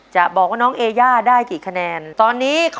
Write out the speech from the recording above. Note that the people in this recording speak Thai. จับตัวใจ